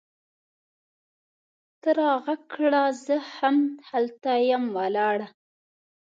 ته راږغ کړه! زه هم هلته یم ولاړه